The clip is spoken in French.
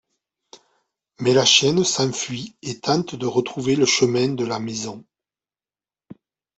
Mais la chienne s'enfuit et tente de retrouver le chemin de la maison...